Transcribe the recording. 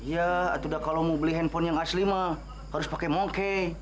ya atu kalau mau beli handphone yang asli harus pakai monke